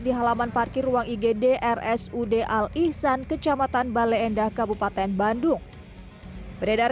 di halaman parkir ruang igd rsud al ihsan kecamatan bale endah kabupaten bandung beredar